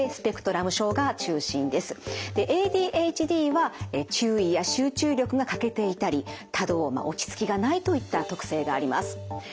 ＡＤＨＤは注意や集中力が欠けていたり多動落ち着きがないといった特性があります。